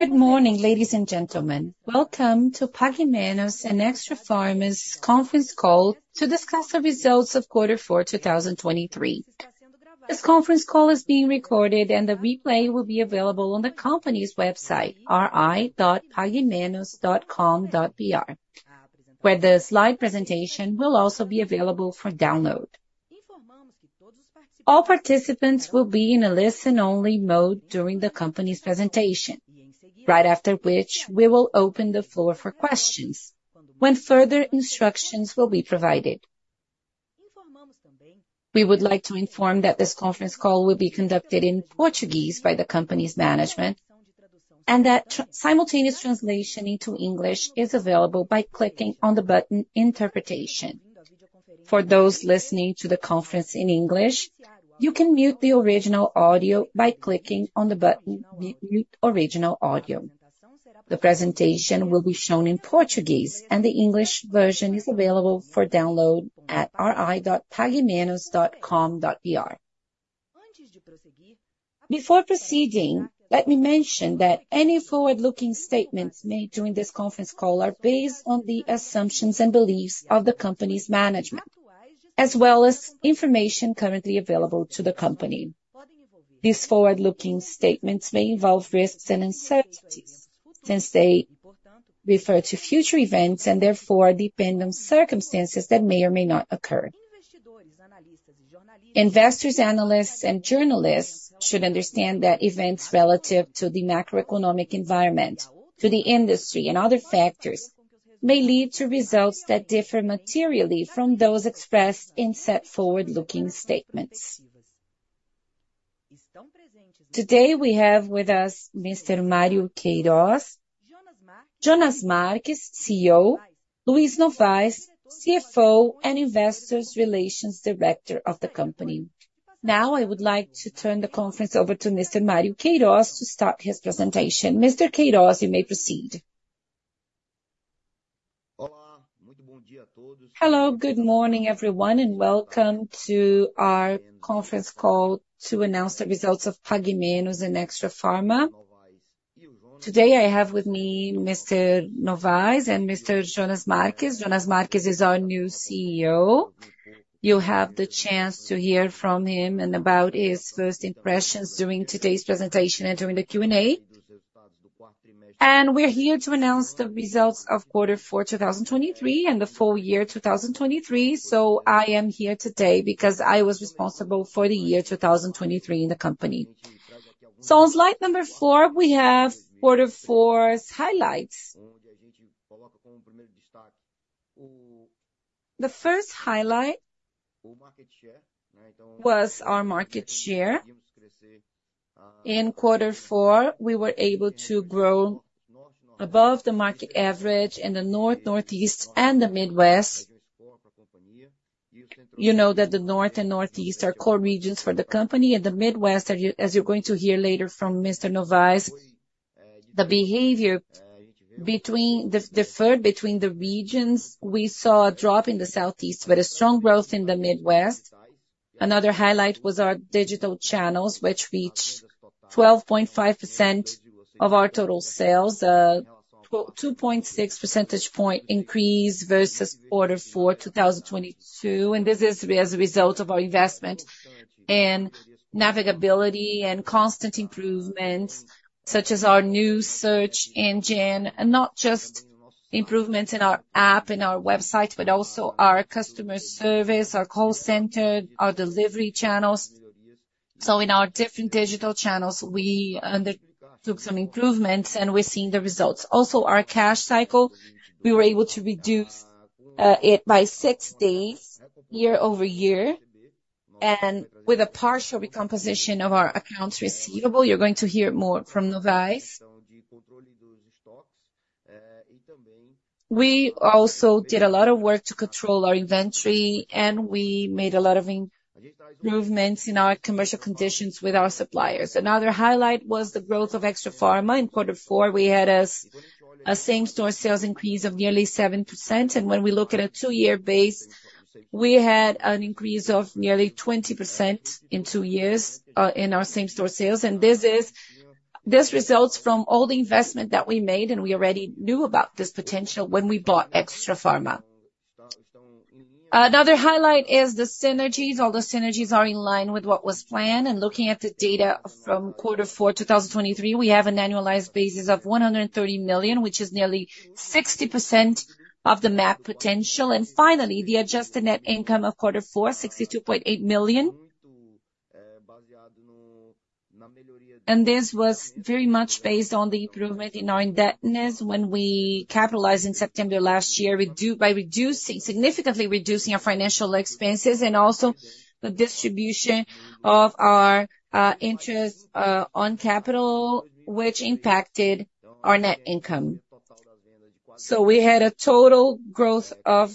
Good morning, ladies and gentlemen. Welcome to Pague Menos and Extrafarma's conference call to discuss the results of quarter four, 2023. This conference call is being recorded, and the replay will be available on the company's website, ri.paguemenos.com.br, where the slide presentation will also be available for download. All participants will be in a listen-only mode during the company's presentation, right after which we will open the floor for questions when further instructions will be provided. We would like to inform that this conference call will be conducted in Portuguese by the company's management and that simultaneous translation into English is available by clicking on the button "Interpretation." For those listening to the conference in English, you can mute the original audio by clicking on the button "Mute Original Audio." The presentation will be shown in Portuguese, and the English version is available for download at ri.paguemenos.com.br. Before proceeding, let me mention that any forward-looking statements made during this conference call are based on the assumptions and beliefs of the company's management, as well as information currently available to the company. These forward-looking statements may involve risks and uncertainties since they refer to future events and therefore depend on circumstances that may or may not occur. Investors, analysts and journalists should understand that events relative to the macroeconomic environment, to the industry, and other factors may lead to results that differ materially from those expressed in set forward-looking statements. Today we have with us Mr. Mário Queirós, Jonas Marques, CEO, Luiz Novais, CFO, and Investor Relations Director of the company. Now I would like to turn the conference over to Mr. Mário Queirós to start his presentation. Mr. Queirós, you may proceed. Hello, good morning, everyone, and welcome to our conference call to announce the results of Pague Menos and Extrafarma. Today I have with me Mr. Novais and Mr. Jonas Marques. Jonas Marques is our new CEO. You'll have the chance to hear from him and about his first impressions during today's presentation and during the Q&A. We're here to announce the results of Quarter four, 2023, and the full year 2023, so I am here today because I was responsible for the year 2023 in the company. On slide number four, we have quarter four's highlights. The first highlight was our market share. In quarter four, we were able to grow above the market average in the North, Northeast, and the Midwest. You know that the North and Northeast are core regions for the company, and the Midwest, as you're going to hear later from Mr. Novais, the behavior differed between the regions; we saw a drop in the Southeast but a strong growth in the Midwest. Another highlight was our digital channels, which reached 12.5% of our total sales, a 2.6 percentage point increase versus quarter four, 2022, and this is as a result of our investment in navigability and constant improvements such as our new search engine, not just improvements in our app and our website but also our customer service, our call center, our delivery channels. So in our different digital channels, we undertook some improvements, and we're seeing the results. Also, our cash cycle, we were able to reduce it by 6 days year-over-year, and with a partial recomposition of our accounts receivable, you're going to hear more from Novais. We also did a lot of work to control our inventory, and we made a lot of improvements in our commercial conditions with our suppliers. Another highlight was the growth of Extrafarma. In quarter four, we had a same-store sales increase of nearly 7%, and when we look at a two-year base, we had an increase of nearly 20% in two years in our same-store sales, and this results from all the investment that we made, and we already knew about this potential when we bought Extrafarma. Another highlight is the synergies. All the synergies are in line with what was planned, and looking at the data from quarter four, 2023, we have an annualized basis of 130 million, which is nearly 60% of the M&C potential. And finally, the adjusted net income of quarter four, brl 62.8 million, and this was very much based on the improvement in our indebtedness when we capitalized in September last year by significantly reducing our financial expenses and also the distribution of our interest on capital, which impacted our net income. So we had a total growth of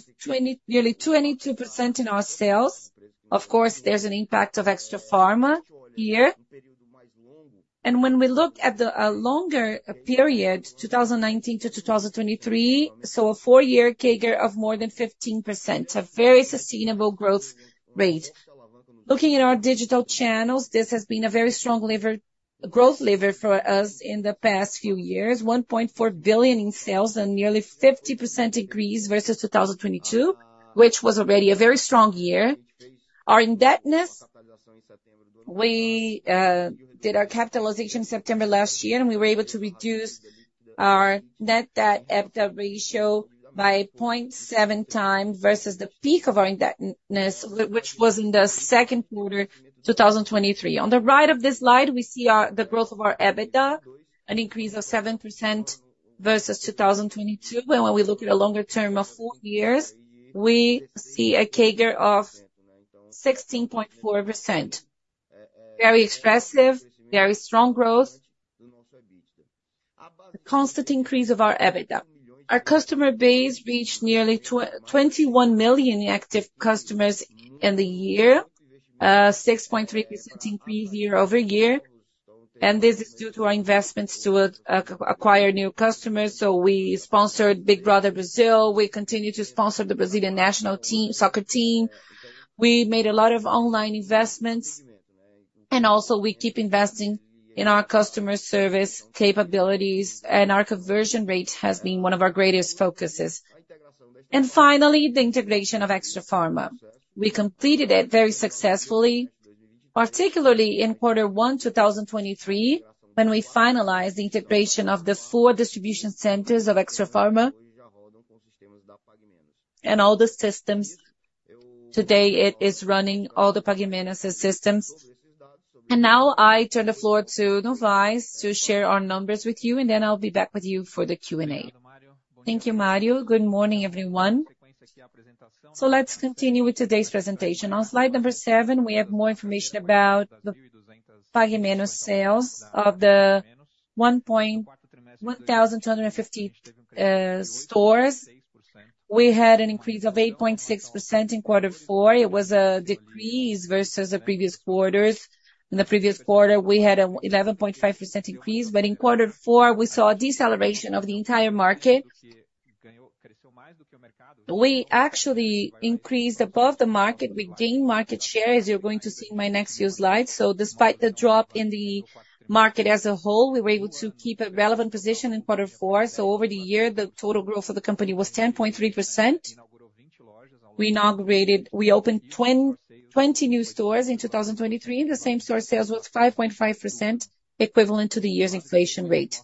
nearly 22% in our sales. Of course, there's an impact of Extrafarma here. When we looked at the longer period, 2019 to 2023, so a four-year CAGR of more than 15%, a very sustainable growth rate. Looking at our digital channels, this has been a very strong growth lever for us in the past few years, 1.4 billion in sales and nearly 50% increase versus 2022, which was already a very strong year. Our indebtedness, we did our capitalization in September last year, and we were able to reduce our net debt/EBITDA ratio by 0.7x versus the peak of our indebtedness, which was in the second quarter, 2023. On the right of this slide, we see the growth of our EBITDA, an increase of 7% versus 2022, and when we look at a longer term of four years, we see a CAGR of 16.4%. Very expressive, very strong growth, constant increase of our EBITDA. Our customer base reached nearly 21 million active customers in the year, 6.3% increase year-over-year, and this is due to our investments to acquire new customers. So we sponsored Big Brother Brasil. We continue to sponsor the Brazilian national soccer team. We made a lot of online investments, and also we keep investing in our customer service capabilities, and our conversion rate has been one of our greatest focuses. Finally, the integration of Extrafarma. We completed it very successfully, particularly in quarter one, 2023, when we finalized the integration of the four distribution centers of Extrafarma and all the systems. Today, it is running all the Pague Menos systems. Now I turn the floor to Novais to share our numbers with you, and then I'll be back with you for the Q&A. Thank you, Mário. Good morning, everyone. Let's continue with today's presentation. On slide number seven, we have more information about the Pague Menos sales of the 1,250 stores. We had an increase of 8.6% in quarter four. It was a decrease versus the previous quarters. In the previous quarter, we had an 11.5% increase, but in quarter four, we saw a deceleration of the entire market. We actually increased above the market. We gained market share, as you're going to see in my next few slides. So despite the drop in the market as a whole, we were able to keep a relevant position in quarter four. So over the year, the total growth of the company was 10.3%. We opened 20 new stores in 2023, and the same-store sales was 5.5% equivalent to the year's inflation rate.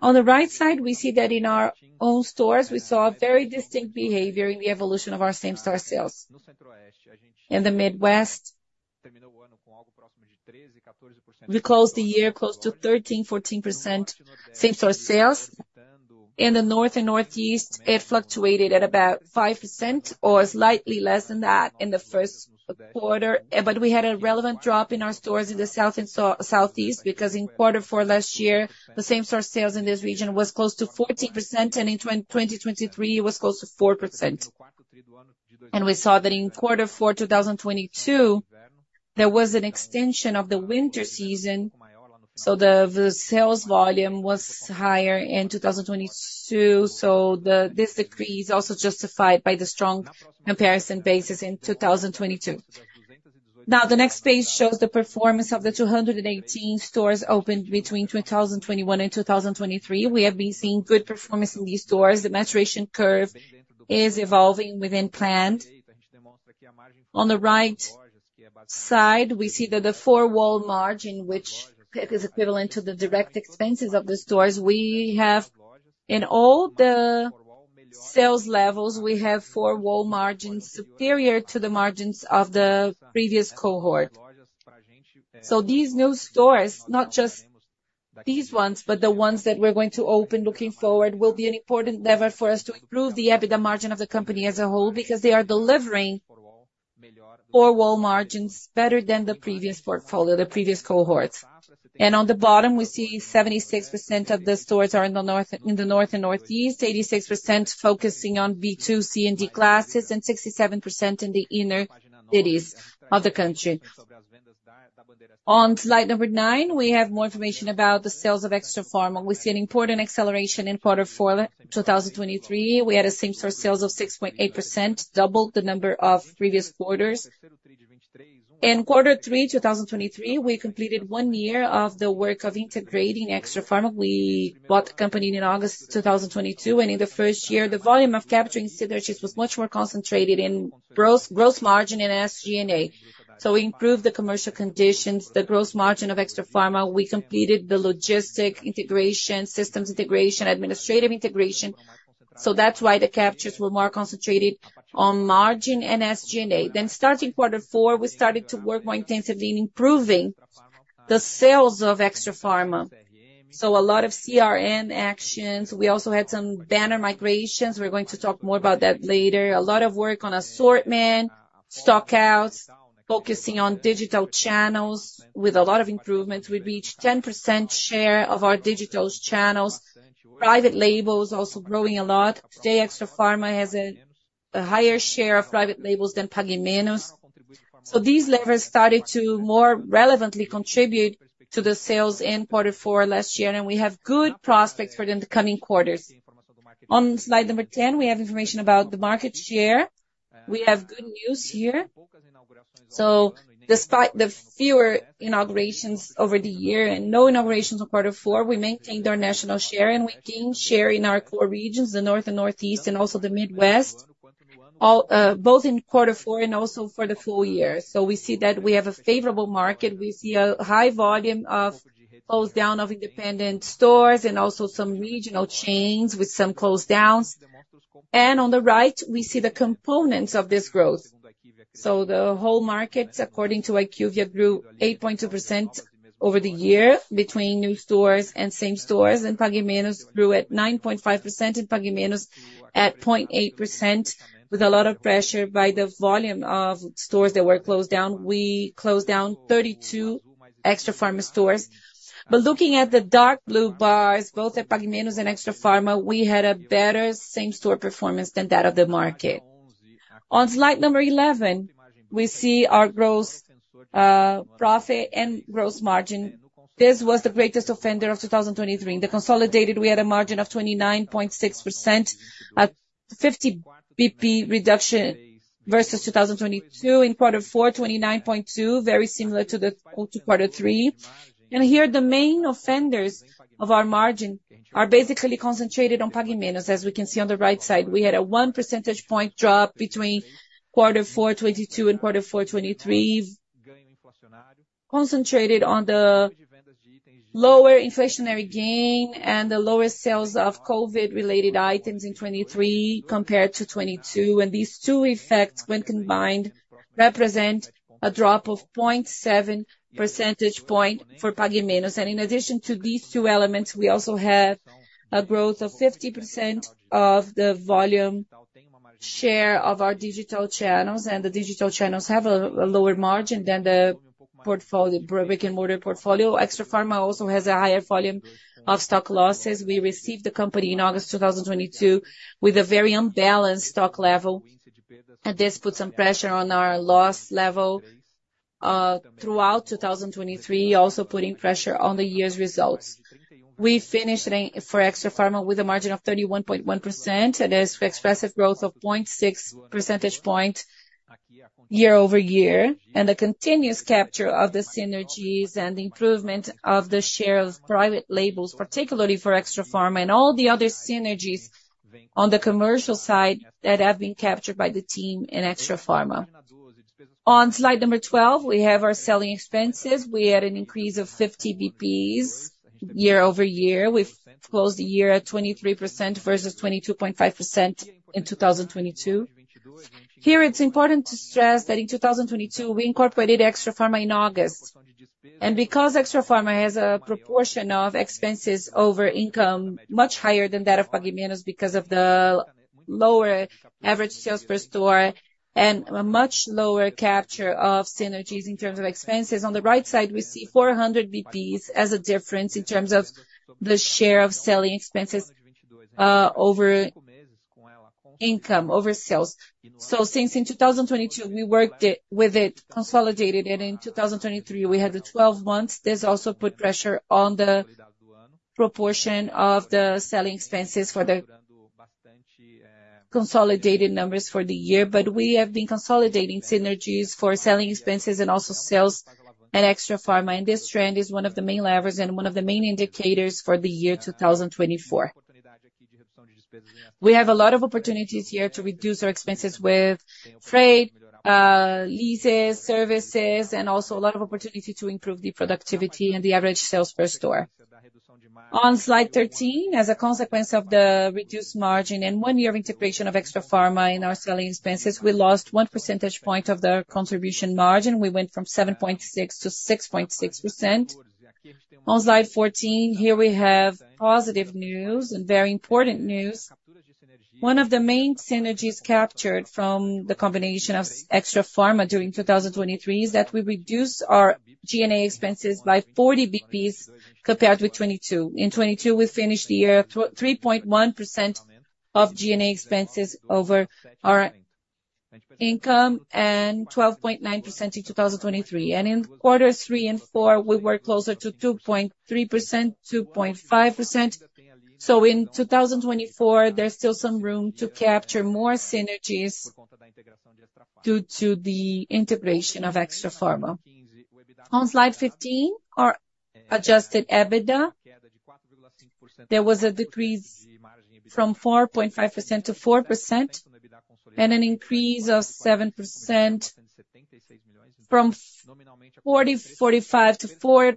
On the right side, we see that in our own stores, we saw very distinct behavior in the evolution of our same-store sales. In the Midwest, we closed the year close to 13%-14% same-store sales. In the North and Northeast, it fluctuated at about 5% or slightly less than that in the first quarter, but we had a relevant drop in our stores in the South and Southeast because in quarter four last year, the same-store sales in this region was close to 14%, and in 2023, it was close to 4%. We saw that in quarter four, 2022, there was an extension of the winter season, so the sales volume was higher in 2022, so this decrease is also justified by the strong comparison basis in 2022. Now, the next page shows the performance of the 218 stores opened between 2021 and 2023. We have been seeing good performance in these stores. The maturation curve is evolving within planned. On the right side, we see that the four-wall margin, which is equivalent to the direct expenses of the stores, we have in all the sales levels, we have four-wall margins superior to the margins of the previous cohort. So these new stores, not just these ones, but the ones that we're going to open looking forward, will be an important lever for us to improve the EBITDA margin of the company as a whole because they are delivering four-wall margins better than the previous portfolio, the previous cohorts. And on the bottom, we see 76% of the stores are in the North and Northeast, 86% focusing on B2, C, and D classes, and 67% in the inner cities of the country. On slide number nine, we have more information about the sales of Extra Pharma. We see an important acceleration in quarter four, 2023. We had same-store sales of 6.8%, doubled the number of previous quarters. In quarter three, 2023, we completed one year of the work of integrating Extra Pharma. We bought the company in August 2022, and in the first year, the volume of capturing synergies was much more concentrated in gross margin and SG&A. So we improved the commercial conditions, the gross margin of Extra Pharma. We completed the logistic integration, systems integration, administrative integration, so that's why the captures were more concentrated on margin and SG&A. Then starting quarter four, we started to work more intensively in improving the sales of Extra Pharma. So a lot of CRM actions. We also had some banner migrations. We're going to talk more about that later. A lot of work on assortment, stockouts, focusing on digital channels with a lot of improvements. We reached 10% share of our digital channels. Private labels also growing a lot. Today, Extrafarma has a higher share of private labels than Pague Menos. These levers started to more relevantly contribute to the sales in quarter four last year, and we have good prospects for the coming quarters. On slide number 10, we have information about the market share. We have good news here. Despite the fewer inaugurations over the year and no inaugurations in quarter four, we maintained our national share, and we gained share in our core regions, the North and Northeast, and also the Midwest, both in quarter four and also for the full year. We see that we have a favorable market. We see a high volume of close-down of independent stores and also some regional chains with some close-downs. On the right, we see the components of this growth. So the whole market, according to IQVIA, grew 8.2% over the year between new stores and same stores, and Pague Menos grew at 9.5% and Pague Menos at 0.8% with a lot of pressure by the volume of stores that were closed down. We closed down 32 Extrafarma stores. But looking at the dark blue bars, both at Pague Menos and Extrafarma, we had a better same-store performance than that of the market. On slide number 11, we see our gross profit and gross margin. This was the greatest offender of 2023. The consolidated, we had a margin of 29.6%, a 50 BP reduction versus 2022. In quarter four, 29.2, very similar to quarter three. And here, the main offenders of our margin are basically concentrated on Pague Menos, as we can see on the right side. We had a 1 percentage point drop between quarter four, 2022, and quarter four, 2023, concentrated on the lower inflationary gain and the lower sales of COVID-related items in 2023 compared to 2022. These two effects, when combined, represent a drop of 0.7 percentage point for Pague Menos. In addition to these two elements, we also have a growth of 50% of the volume share of our digital channels, and the digital channels have a lower margin than the brick-and-mortar portfolio. Extra Pharma also has a higher volume of stock losses. We received the company in August 2022 with a very unbalanced stock level, and this put some pressure on our loss level throughout 2023, also putting pressure on the year's results. We finished for Extra Pharma with a margin of 31.1%. It is an expressive growth of 0.6 percentage point year-over-year, and the continuous capture of the synergies and improvement of the share of private labels, particularly for Extra Pharma and all the other synergies on the commercial side that have been captured by the team in Extra Pharma. On slide number 12, we have our selling expenses. We had an increase of 50 basis points year-over-year. We closed the year at 23% versus 22.5% in 2022. Here, it's important to stress that in 2022, we incorporated Extra Pharma in August. Because Extrafarma has a proportion of expenses over income much higher than that of Pague Menos because of the lower average sales per store and a much lower capture of synergies in terms of expenses, on the right side, we see 400 BPs as a difference in terms of the share of selling expenses over income, over sales. Since in 2022, we worked with it, consolidated it, and in 2023, we had the 12 months. This also put pressure on the proportion of the selling expenses for the consolidated numbers for the year, but we have been consolidating synergies for selling expenses and also sales and Extrafarma. This trend is one of the main levers and one of the main indicators for the year 2024. We have a lot of opportunities here to reduce our expenses with trade, leases, services, and also a lot of opportunity to improve the productivity and the average sales per store. On slide 13, as a consequence of the reduced margin and one-year integration of Extra Pharma in our selling expenses, we lost 1 percentage point of the contribution margin. We went from 7.6% -6.6%. On slide 14, here we have positive news and very important news. One of the main synergies captured from the combination of Extra Pharma during 2023 is that we reduced our G&A expenses by 40 basis points compared with 2022. In 2022, we finished the year 3.1% of G&A expenses over our income and 12.9% in 2023. In quarters threeand four, we were closer to 2.3%, 2.5%. So in 2024, there's still some room to capture more synergies due to the integration of Extra Pharma. On slide 15, our adjusted EBITDA, there was a decrease from 4.5%-4% and an increase of 7% from 40.45 million to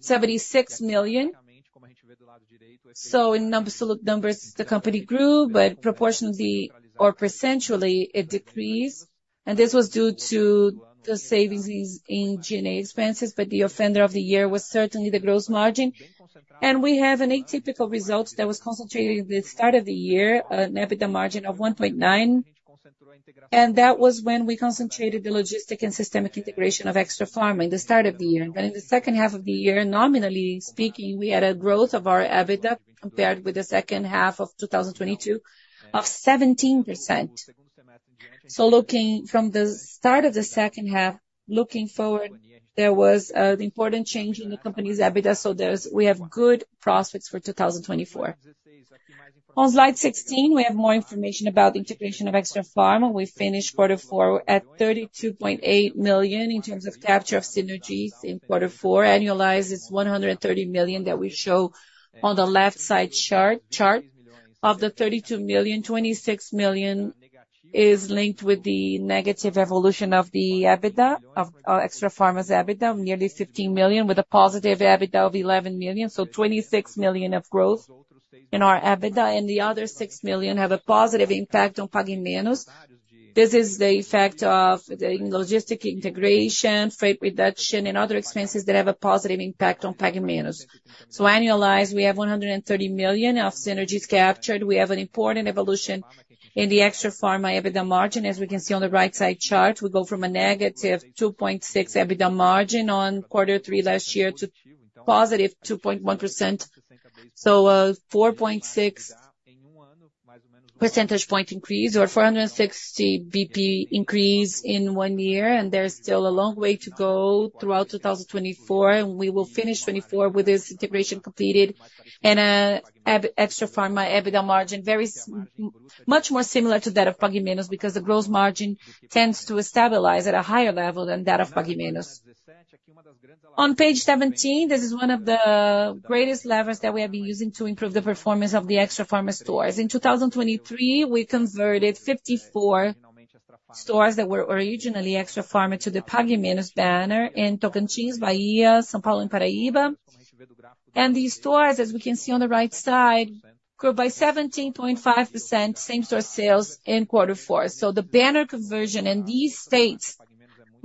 76 million. So in absolute numbers, the company grew, but proportionally or percentually, it decreased. And this was due to the savings in G&A expenses, but the offender of the year was certainly the gross margin. And we have an atypical result that was concentrated in the start of the year, an EBITDA margin of 1.9%. And that was when we concentrated the logistic and systemic integration of Extra Pharma in the start of the year. But in the second half of the year, nominally speaking, we had a growth of our EBITDA compared with the second half of 2022 of 17%. So looking from the start of the second half, looking forward, there was an important change in the company's EBITDA, so we have good prospects for 2024. On slide 16, we have more information about the integration of Extrafarma. We finished quarter four at 32.8 million in terms of capture of synergies in quarter four. Annualized, it's 130 million that we show on the left side chart. Chart of the 32 million, 26 million is linked with the negative evolution of the EBITDA, of Extrafarma's EBITDA, nearly 15 million, with a positive EBITDA of 11 million. So 26 million of growth in our EBITDA, and the other 6 million have a positive impact on Pague Menos. This is the effect of the logistic integration, freight reduction, and other expenses that have a positive impact on Pague Menos. So annualized, we have 130 million of synergies captured. We have an important evolution in the Extra Pharma EBITDA margin. As we can see on the right side chart, we go from a -2.6 EBITDA margin on quarter three last year to +2.1%. So a 4.6 percentage point increase or 460 BP increase in one year, and there's still a long way to go throughout 2024. We will finish 2024 with this integration completed and an Extra Pharma EBITDA margin much more similar to that of Pague Menos because the gross margin tends to stabilize at a higher level than that of Pague Menos. On page 17, this is one of the greatest levers that we have been using to improve the performance of the Extra Pharma stores. In 2023, we converted 54 stores that were originally Extra Pharma to the Pague Menos banner in Tocantins, Bahia, São Paulo, and Paraíba. These stores, as we can see on the right side, grew by 17.5% same-store sales in quarter four. So the banner conversion in these states,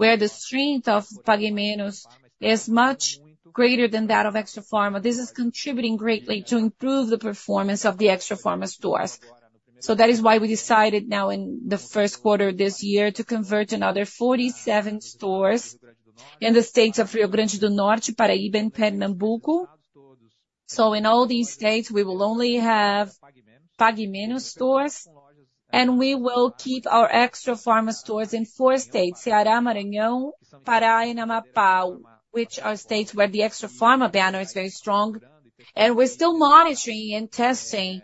where the strength of Pague Menos is much greater than that of Extrafarma, this is contributing greatly to improve the performance of the Extrafarma stores. So that is why we decided now in the first quarter of this year to convert another 47 stores in the states of Rio Grande do Norte, Paraíba, and Pernambuco. So in all these states, we will only have Pague Menos stores, and we will keep our Extrafarma stores in four states: Ceará, Maranhão, Pará, and Amapá, which are states where the Extrafarma banner is very strong. We're still monitoring and testing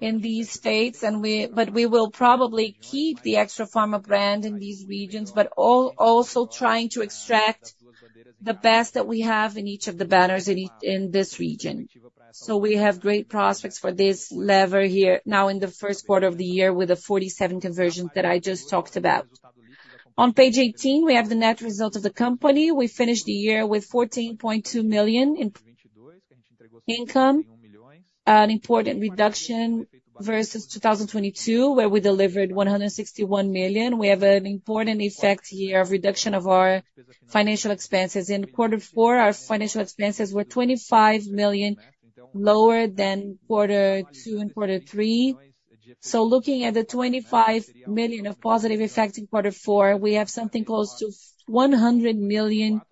in these states, but we will probably keep the Extra Pharma brand in these regions, but also trying to extract the best that we have in each of the banners in this region. So we have great prospects for this lever here now in the first quarter of the year with the 47 conversions that I just talked about. On page 18, we have the net result of the company. We finished the year with 14.2 million in income, an important reduction versus 2022, where we delivered 161 million. We have an important effect here of reduction of our financial expenses. In quarter four, our financial expenses were 25 million lower than quarter two and quarter three. So looking at the 25 million of positive effect in quarter four, we have something close to 100 million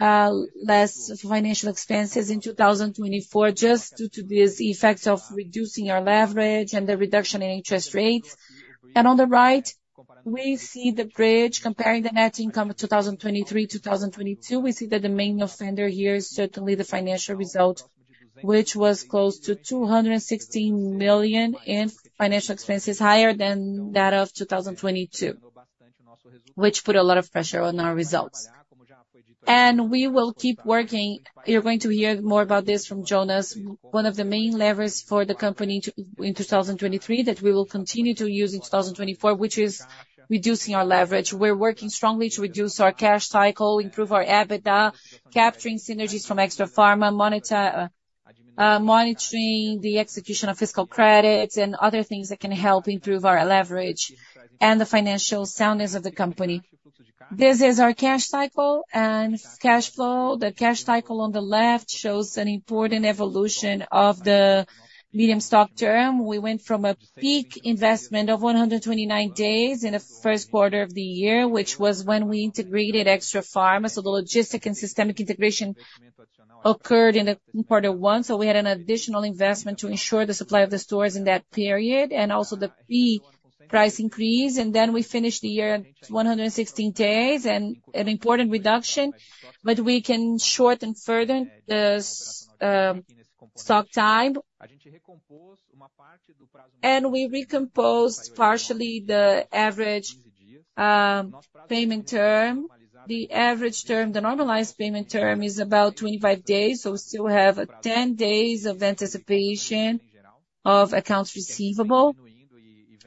less financial expenses in 2024 just due to this effect of reducing our leverage and the reduction in interest rates. On the right, we see the bridge comparing the net income of 2023 to 2022. We see that the main offender here is certainly the financial result, which was close to 216 million in financial expenses, higher than that of 2022, which put a lot of pressure on our results. We will keep working. You're going to hear more about this from Jonas. One of the main levers for the company in 2023 that we will continue to use in 2024, which is reducing our leverage. We're working strongly to reduce our cash cycle, improve our EBITDA, capturing synergies from Extra Pharma, monitoring the execution of fiscal credits, and other things that can help improve our leverage and the financial soundness of the company. This is our cash cycle and cash flow. The cash cycle on the left shows an important evolution of the medium stock term. We went from a peak investment of 129 days in the first quarter of the year, which was when we integrated Extra Pharma. So the logistics and systemic integration occurred in quarter one. So we had an additional investment to ensure the supply of the stores in that period and also the peak price increase. Then we finished the year at 116 days and an important reduction. We can shorten further the stock time. We recomposed partially the average payment term. The average term, the normalized payment term is about 25 days. So we still have 10 days of anticipation of accounts receivable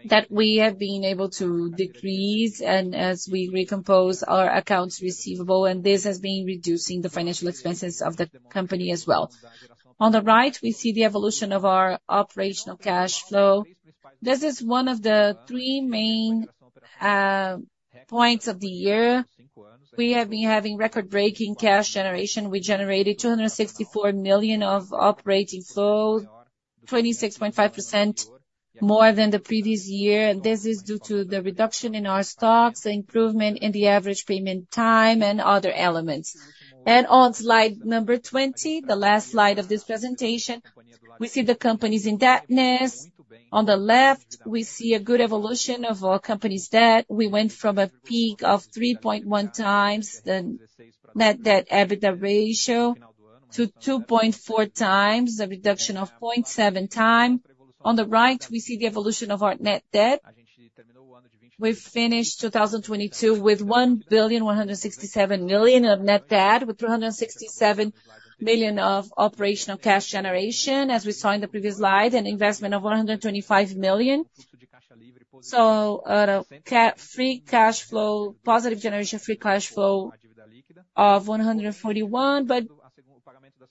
that we have been able to decrease as we recompose our accounts receivable. And this has been reducing the financial expenses of the company as well. On the right, we see the evolution of our operational cash flow. This is one of the three main points of the year. We have been having record-breaking cash generation. We generated 264 million of operating flow, 26.5% more than the previous year. And this is due to the reduction in our stocks, improvement in the average payment time, and other elements. And on slide number 20, the last slide of this presentation, we see the company's indebtedness. On the left, we see a good evolution of our company's debt. We went from a peak of 3.1x the net debt/EBITDA ratio to 2.4x, a reduction of 0.7x. On the right, we see the evolution of our net debt. We finished 2022 with 1,167 million of net debt with 367 million of operational cash generation, as we saw in the previous slide, an investment of 125 million. So free cash flow, positive generation free cash flow of 141 million, but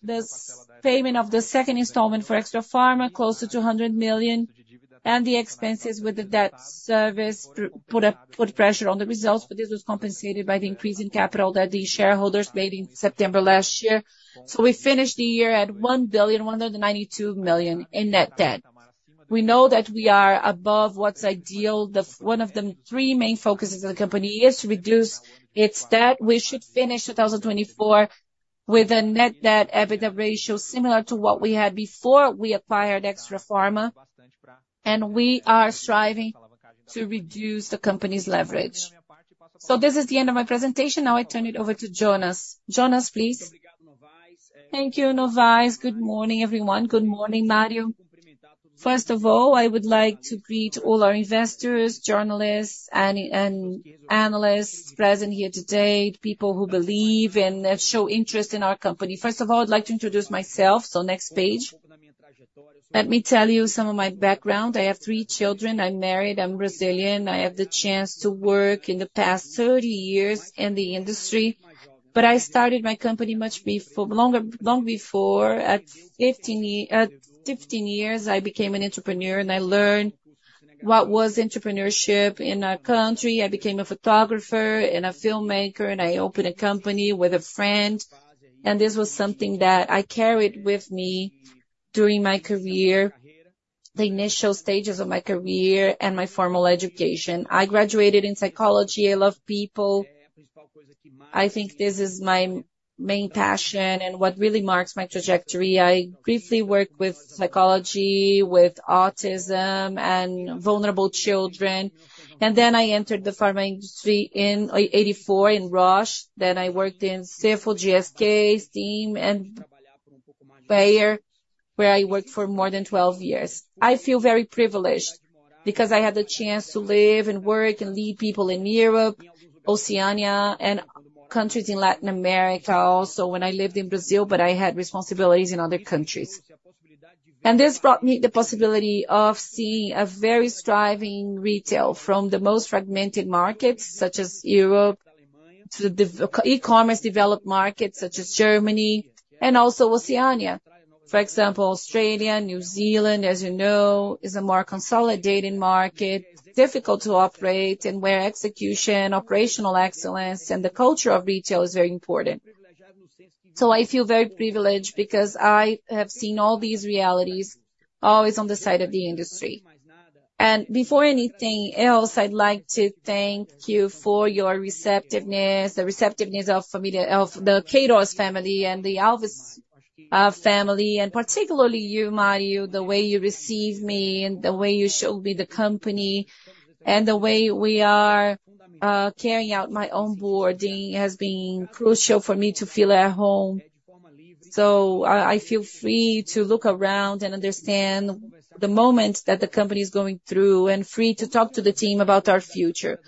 the payment of the second installment for Extra Pharma, closer to 100 million, and the expenses with the debt service put pressure on the results. But this was compensated by the increase in capital that the shareholders made in September last year. So we finished the year at 1,192 million in net debt. We know that we are above what's ideal. One of the three main focuses of the company is to reduce its debt. We should finish 2024 with a net debt/EBITDA ratio similar to what we had before we acquired Extra Pharma. We are striving to reduce the company's leverage. This is the end of my presentation. Now I turn it over to Jonas. Jonas, please. Thank you, Novais. Good morning, everyone. Good morning, Mário. First of all, I would like to greet all our investors, journalists, and analysts present here today, people who believe and show interest in our company. First of all, I'd like to introduce myself. So next page, let me tell you some of my background. I have three children. I'm married. I'm Brazilian. I have the chance to work in the past 30 years in the industry. But I started my company much longer before. At 15 years, I became an entrepreneur, and I learned what was entrepreneurship in our country. I became a photographer and a filmmaker, and I opened a company with a friend. This was something that I carried with me during my career, the initial stages of my career and my formal education. I graduated in psychology. I love people. I think this is my main passion and what really marks my trajectory. I briefly worked with psychology, with autism, and vulnerable children. Then I entered the pharma industry in 1984 in Roche. Then I worked in Stiefel, GSK, and Bayer, where I worked for more than 12 years. I feel very privileged because I had the chance to live and work and lead people in Europe, Oceania, and countries in Latin America also when I lived in Brazil, but I had responsibilities in other countries. And this brought me the possibility of seeing a very thriving retail from the most fragmented markets, such as Europe, to the e-commerce developed markets, such as Germany, and also Oceania. For example, Australia, New Zealand, as you know, is a more consolidating market, difficult to operate, and where execution, operational excellence, and the culture of retail is very important. So I feel very privileged because I have seen all these realities always on the side of the industry. And before anything else, I'd like to thank you for your receptiveness, the receptiveness of the Queirós Family and the Alves Family. And particularly you, Mário, the way you received me and the way you showed me the company and the way we are carrying out my onboarding has been crucial for me to feel at home.f So I feel free to look around and understand the moment that the company is going through and free to talk to the team about our future.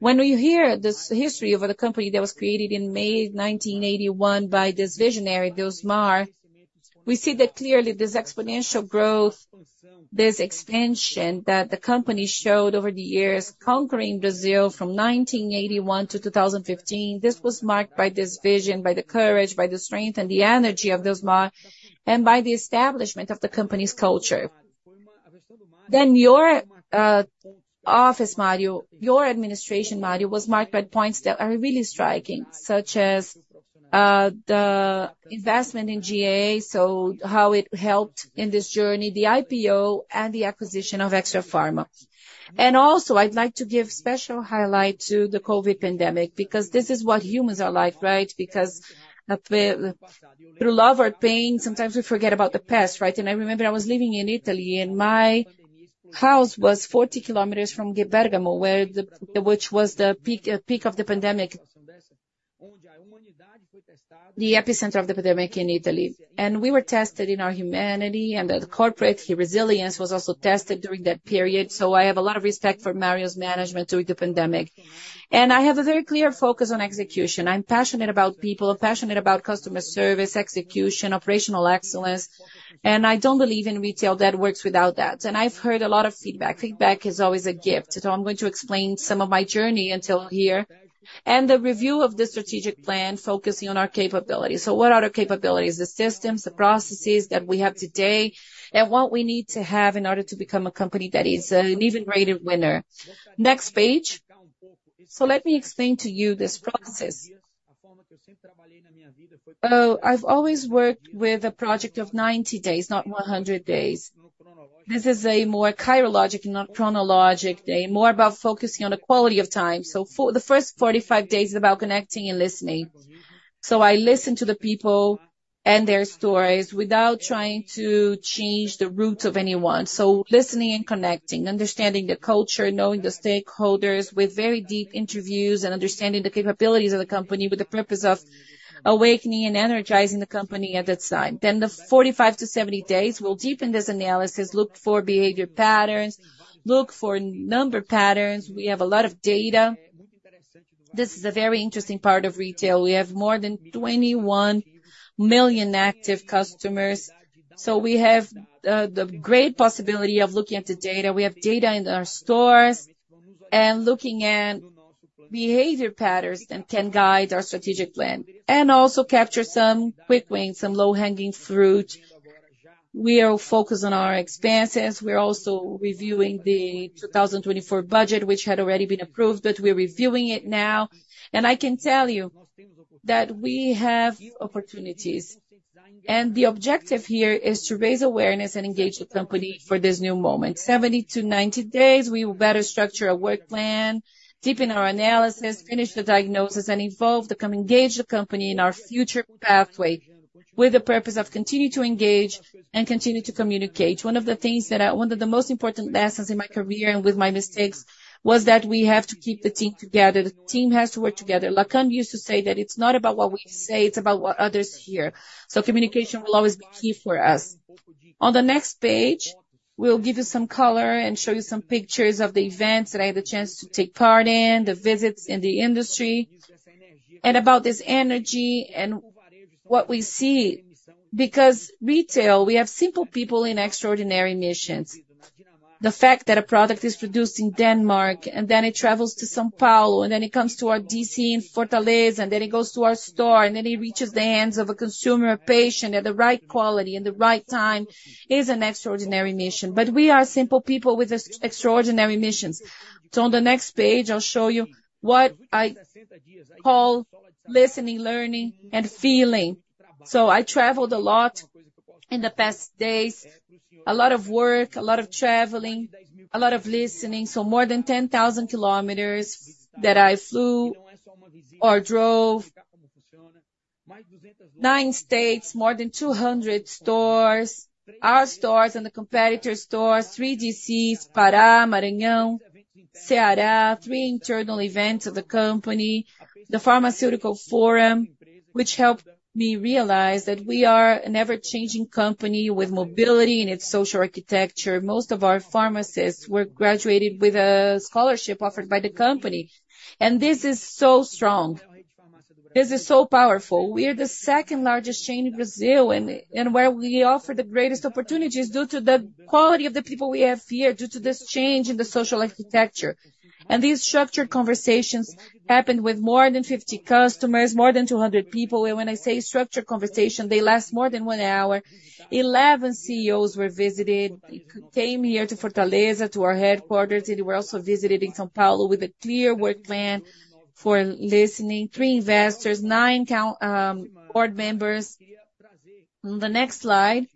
When we hear the history of the company that was created in May 1981 by this visionary, Deusmar, we see that clearly this exponential growth, this expansion that the company showed over the years, conquering Brazil from 1981 to 2015, this was marked by this vision, by the courage, by the strength, and the energy of Deusmar and by the establishment of the company's culture. Then your office, Mário, your administration, Mário, was marked by points that are really striking, such as the investment in G&A, so how it helped in this journey, the IPO, and the acquisition of Extrafarma. And also, I'd like to give special highlight to the COVID pandemic because this is what humans are like, right? Because through love or pain, sometimes we forget about the past, right? I remember I was living in Italy, and my house was 40 km from Bergamo, which was the peak of the pandemic, the epicenter of the pandemic in Italy. We were tested in our humanity, and the corporate resilience was also tested during that period. I have a lot of respect for Mário's management during the pandemic. I have a very clear focus on execution. I'm passionate about people, I'm passionate about customer service, execution, operational excellence. I don't believe in retail that works without that. I've heard a lot of feedback. Feedback is always a gift. I'm going to explain some of my journey until here and the review of the strategic plan focusing on our capabilities. What are our capabilities? The systems, the processes that we have today, and what we need to have in order to become a company that is an even-rated winner. Next page. So let me explain to you this process. I've always worked with a project of 90 days, not 100 days. This is a more kairologic and not chronologic day, more about focusing on the quality of time. So the first 45 days is about connecting and listening. So I listen to the people and their stories without trying to change the root of anyone. So listening and connecting, understanding the culture, knowing the stakeholders with very deep interviews and understanding the capabilities of the company with the purpose of awakening and energizing the company at that time. Then the 45 to 70 days, we'll deepen this analysis, look for behavior patterns, look for number patterns. We have a lot of data. This is a very interesting part of retail. We have more than 21 million active customers. So we have the great possibility of looking at the data. We have data in our stores and looking at behavior patterns that can guide our strategic plan. And also capture some quick wins, some low-hanging fruit. We are focused on our expenses. We're also reviewing the 2024 budget, which had already been approved, but we're reviewing it now. And I can tell you that we have opportunities. And the objective here is to raise awareness and engage the company for this new moment. 70-90 days, we will better structure a work plan, deepen our analysis, finish the diagnosis, and engage the company in our future pathway with the purpose of continuing to engage and continue to communicate. One of the things that, one of the most important lessons in my career and with my mistakes, was that we have to keep the team together. The team has to work together. Lacan used to say that it's not about what we say, it's about what others hear. So communication will always be key for us. On the next page, we'll give you some color and show you some pictures of the events that I had the chance to take part in, the visits in the industry, and about this energy and what we see. Because retail, we have simple people in extraordinary missions. The fact that a product is produced in Denmark, and then it travels to São Paulo, and then it comes to our DC in Fortaleza, and then it goes to our store, and then it reaches the hands of a consumer, a patient, at the right quality and the right time is an extraordinary mission. But we are simple people with extraordinary missions. So on the next page, I'll show you what I call listening, learning, and feeling. So I traveled a lot in the past days, a lot of work, a lot of traveling, a lot of listening. So more than 10,000 kilometers that I flew or drove, 9 states, more than 200 stores, our stores and the competitor stores, 3 DCs, Pará, Maranhão, Ceará, 3 internal events of the company, the Pharmaceutical Forum, which helped me realize that we are an ever-changing company with mobility in its social architecture. Most of our pharmacists were graduated with a scholarship offered by the company. This is so strong. This is so powerful. We are the second largest chain in Brazil and where we offer the greatest opportunities due to the quality of the people we have here, due to this change in the social architecture. These structured conversations happened with more than 50 customers, more than 200 people. When I say structured conversation, they last more than 1 hour. 11 CEOs were visited, came here to Fortaleza, to our headquarters, and they were also visited in São Paulo with a clear work plan for listening, three investors, nine board members. On the next slide,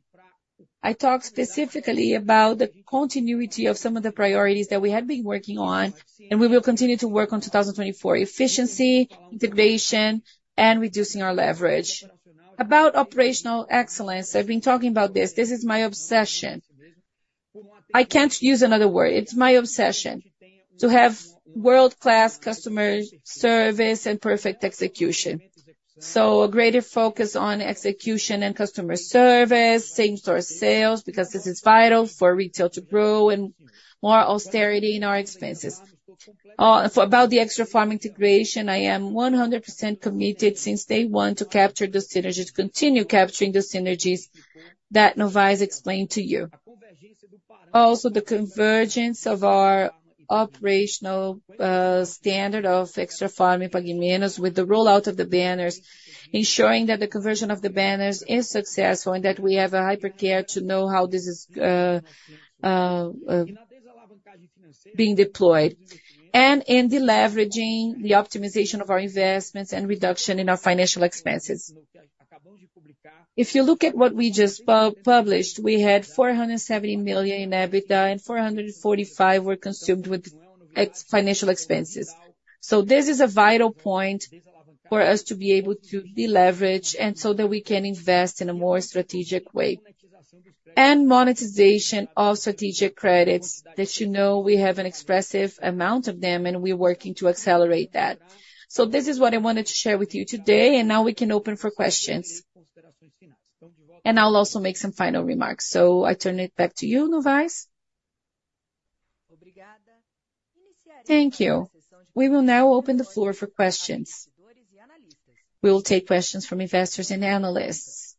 I talk specifically about the continuity of some of the priorities that we had been working on, and we will continue to work on 2024, efficiency, integration, and reducing our leverage. About operational excellence, I've been talking about this. This is my obsession. I can't use another word. It's my obsession to have world-class customer service and perfect execution. So a greater focus on execution and customer service, same-store sales because this is vital for retail to grow, and more austerity in our expenses. About the Extrafarma integration, I am 100% committed since day one to capture the synergies, continue capturing the synergies that Novaes explained to you. Also, the convergence of our operational standard of Extrafarma Pague Menos with the rollout of the banners, ensuring that the conversion of the banners is successful and that we have a hypercare to know how this is being deployed. And in the leveraging, the optimization of our investments and reduction in our financial expenses. If you look at what we just published, we had 470 million in EBITDA and 445 million were consumed with financial expenses. So this is a vital point for us to be able to deleverage and so that we can invest in a more strategic way. And monetization of strategic credits that you know we have an expressive amount of them, and we're working to accelerate that. So this is what I wanted to share with you today, and now we can open for questions. And I'll also make some final remarks. So I turn it back to you, Novais. Thank you. We will now open the floor for questions. We will take questions from investors and analysts.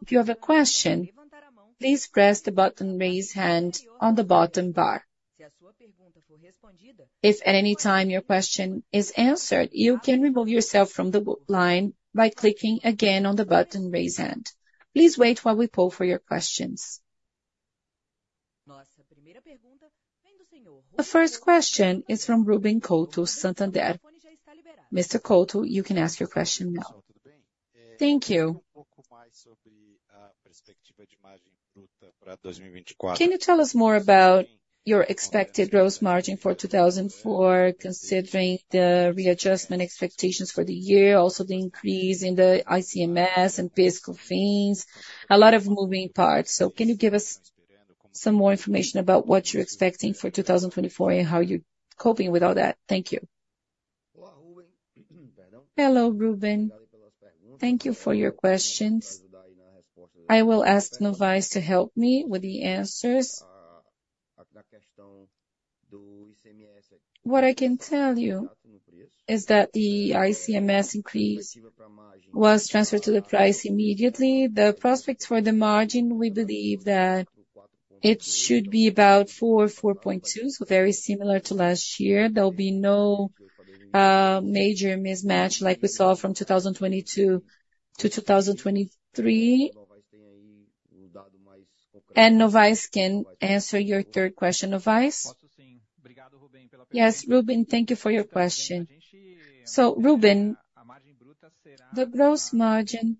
If you have a question, please press the button raise hand on the bottom bar. If at any time your question is answered, you can remove yourself from the line by clicking again on the button raise hand. Please wait while we pull for your questions. The first question is from Ruben Couto, Santander. Mr. Couto, you can ask your question now. Thank you. Can you tell us more about your expected gross margin for 2024 considering the readjustment expectations for the year, also the increase in the ICMS and COFINS, a lot of moving parts? So can you give us some more information about what you're expecting for 2024 and how you're coping with all that? Thank you. Hello, Ruben. Hello, Ruben..Thank you for your questions. I will ask Novais to help me with the answers. What I can tell you is that the ICMS increase was transferred to the price immediately. The prospect for the margin, we believe that it should be about 4-4.2, so very similar to last year. There'll be no major mismatch like we saw from 2022 to 2023. And Novais can answer your third question. Novais? Yes, Ruben, thank you for your question. So, Ruben, the gross margin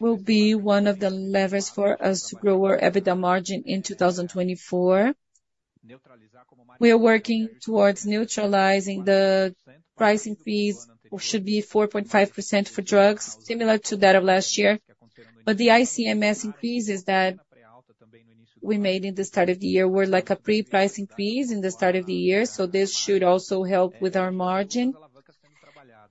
will be one of the levers for us to grow our EBITDA margin in 2024. We are working towards neutralizing the price increase, which should be 4.5% for drugs, similar to that of last year. But the ICMS increases that we made in the start of the year were like a pre-price increase in the start of the year, so this should also help with our margin.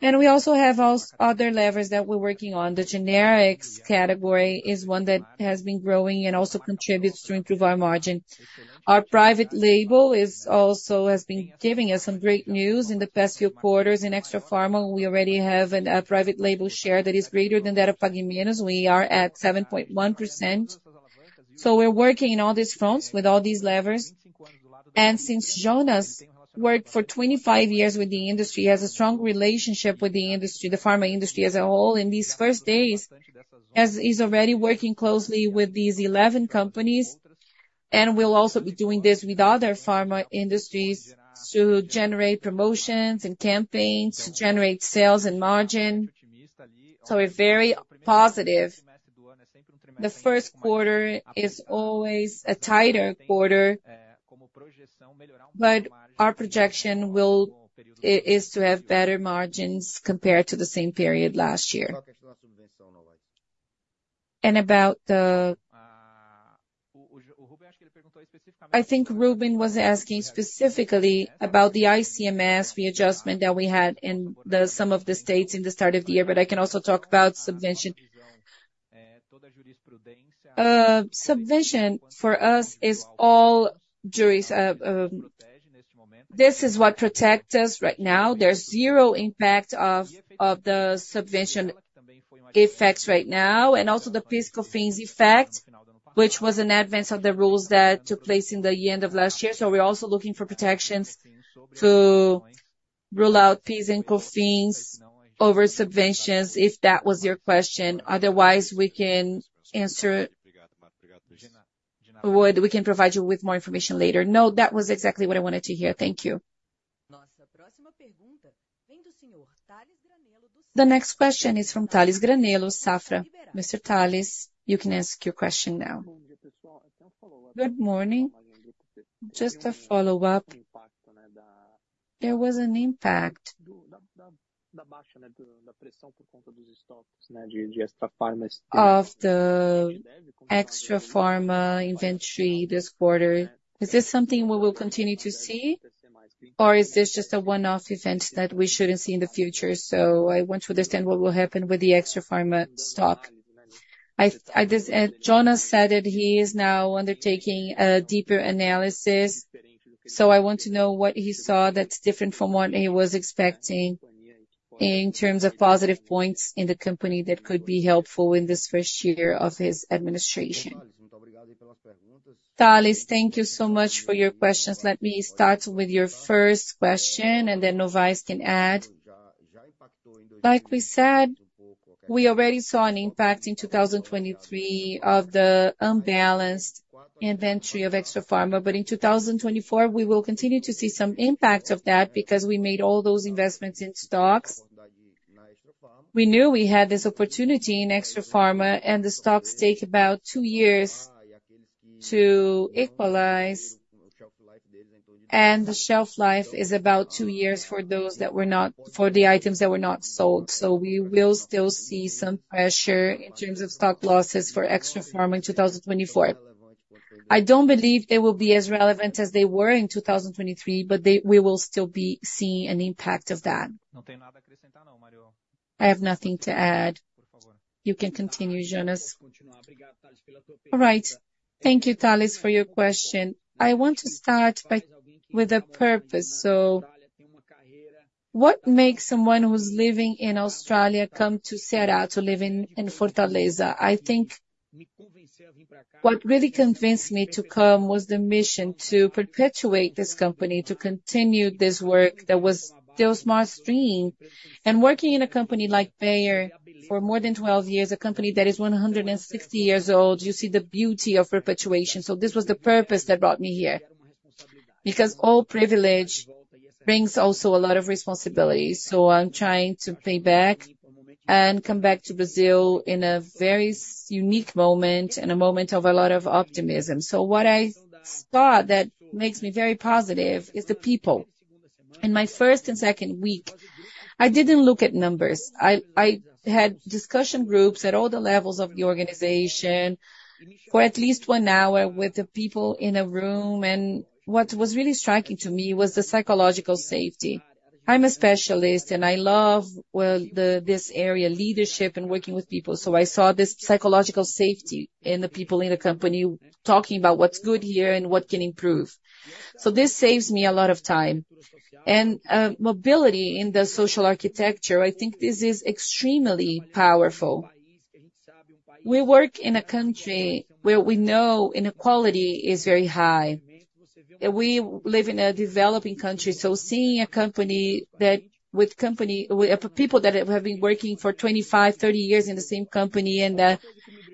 We also have other levers that we're working on. The generics category is one that has been growing and also contributes to improve our margin. Our private label also has been giving us some great news in the past few quarters in Extra Pharma. We already have a private label share that is greater than that of Pague Menos. We are at 7.1%. So we're working in all these fronts with all these levers. And since Jonas worked for 25 years with the industry, he has a strong relationship with the industry, the pharma industry as a whole. In these first days, he's already working closely with these 11 companies. And we'll also be doing this with other pharma industries to generate promotions and campaigns, to generate sales and margin. So we're very positive. The first quarter is always a tighter quarter. But our projection is to have better margins compared to the same period last year. And about the, I think Ruben was asking specifically about the ICMS readjustment that we had in some of the states at the start of the year, but I can also talk about subvention. Subvention for us is ICMS. This is what protects us right now. There's zero impact of the subvention effects right now, and also the PIS effect, which was an advance of the rules that took place at the end of last year. So we're also looking for protections to rule out PIS and COFINS over subventions, if that was your question. Otherwise, we can answer. We can provide you with more information later. No, that was exactly what I wanted to hear. Thank you. The next question is from Tales Granello, Safra. Mr. Tales, you can ask your question now. Good morning. Just a follow-up. There was an impact of the Extrafarma inventory this quarter. Is this something we will continue to see, or is this just a one-off event that we shouldn't see in the future? So I want to understand what will happen with the Extrafarma stock. Jonas said that he is now undertaking a deeper analysis. So I want to know what he saw that's different from what he was expecting in terms of positive points in the company that could be helpful in this first year of his administration. Tales, thank you so much for your questions. Let me start with your first question, and then Novais can add. Like we said, we already saw an impact in 2023 of the unbalanced inventory of Extra Pharma, but in 2024, we will continue to see some impact of that because we made all those investments in stocks. We knew we had this opportunity in Extra Pharma, and the stocks take about two years to equalize. And the shelf life is about two years for those that were not for the items that were not sold. So we will still see some pressure in terms of stock losses for Extra Pharma in 2024. I don't believe they will be as relevant as they were in 2023, but we will still be seeing an impact of that. I have nothing to add. You can continue, Jonas. All right. Thank you, Tales, for your question. I want to start with a purpose. So what makes someone who's living in Australia come to Ceará, to live in Fortaleza? I think what really convinced me to come was the mission to perpetuate this company, to continue this work that was Deusmar's dream. And working in a company like Bayer for more than 12 years, a company that is 160 years old, you see the beauty of perpetuation. This was the purpose that brought me here. Because all privilege brings also a lot of responsibilities. I'm trying to pay back and come back to Brazil in a very unique moment, in a moment of a lot of optimism. What I thought that makes me very positive is the people. In my first and second week, I didn't look at numbers. I had discussion groups at all the levels of the organization for at least one hour with the people in a room. And what was really striking to me was the psychological safety. I'm a specialist, and I love this area, leadership and working with people. So I saw this psychological safety in the people in the company talking about what's good here and what can improve. So this saves me a lot of time. And mobility in the social architecture, I think this is extremely powerful. We work in a country where we know inequality is very high. We live in a developing country. So seeing a company with people that have been working for 25, 30 years in the same company and that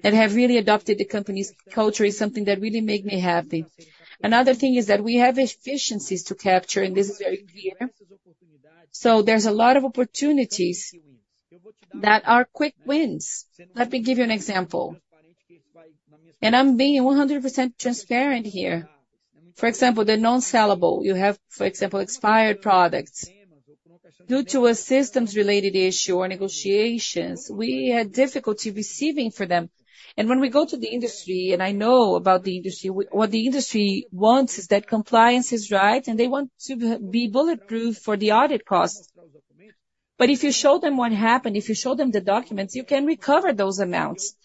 have really adopted the company's culture is something that really makes me happy. Another thing is that we have efficiencies to capture, and this is very clear. So there's a lot of opportunities that are quick wins. Let me give you an example. And I'm being 100% transparent here. For example, the non-sellable, you have, for example, expired products. Due to a systems-related issue or negotiations, we had difficulty receiving for them. And when we go to the industry, and I know about the industry, what the industry wants is that compliance is right, and they want to be bulletproof for the audit costs. But if you show them what happened, if you show them the documents, you can recover those amounts.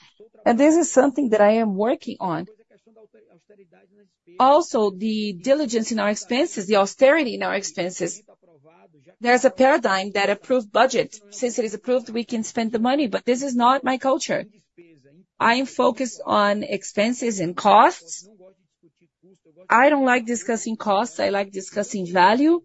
And this is something that I am working on. Also, the diligence in our expenses, the austerity in our expenses. There's a paradigm that approved budget. Since it is approved, we can spend the money, but this is not my culture. I am focused on expenses and costs. I don't like discussing costs. I like discussing value.